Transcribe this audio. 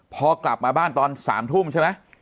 พอกลับมาบ้านตอน๓ทุ่มใช่ไหม